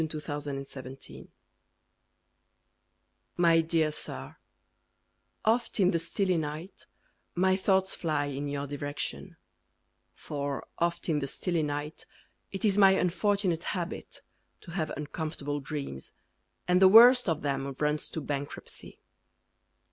TO AN HOTEL KEEPER My dear Sir, Oft in the stilly night My thoughts fly In your direction, For oft in the stilly night It is my unfortunate habit To have uncomfortable dreams, And the worst of them Runs to bankruptcy.